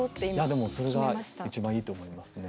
でもそれが一番いいと思いますね。